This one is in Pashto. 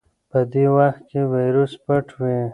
په دې وخت کې وایرس پټ وي.